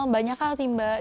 banyak hal sih mbak